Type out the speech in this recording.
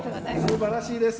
素晴らしいです。